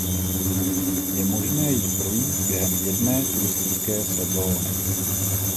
Je možné ji projít během jedné turistické sezóny.